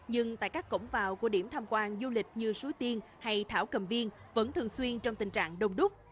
nhưng tại các cổng vào của điểm tham quan du lịch như suối tiên hay thảo cầm viên vẫn thường xuyên trong tình trạng đông đúc